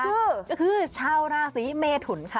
ก็คือชาวราศีเมทุนค่ะ